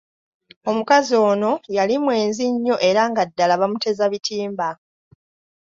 Omukazi ono yali mwenzi nnyo era nga ddala bamuteza bitimba.